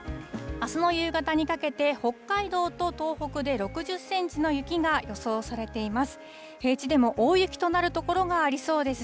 あすの夕方にかけて、北海道と東北で６０センチの雪が予想されています。